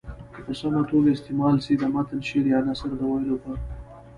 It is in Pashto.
که په سمه توګه استعمال سي د متن شعر یا نثر د ویلو په